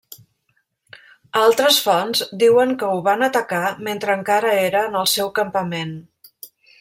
Altres fonts diuen que ho van atacar mentre encara era en el seu campament.